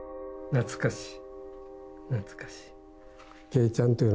懐かしい。